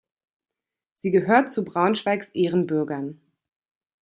Sie gehört zu Braunschweigs Ehrenbürgern.